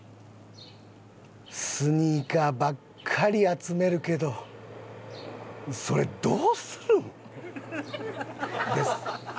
スニーカーばっかり集めるけどそれどうするん？です。